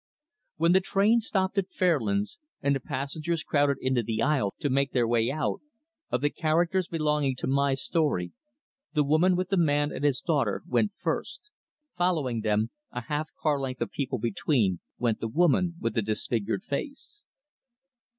When the train stopped at Fairlands, and the passengers crowded into the aisle to make their way out, of the characters belonging to my story, the woman with the man and his daughter went first. Following them, a half car length of people between, went the woman with the disfigured face.